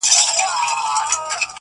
خلک د قصده محفلونو ته نا وخته راځي